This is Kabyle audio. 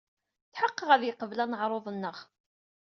Tḥeqqeɣ ad yeqbel aneɛruḍ-nneɣ.